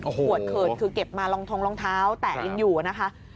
โอ้โหหวดเขินคือเก็บมาลองทงลองเท้าแตะเองอยู่อะนะคะ